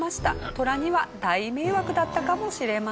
トラには大迷惑だったかもしれません。